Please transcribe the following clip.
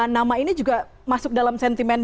nama ini juga masuk dalam sentimen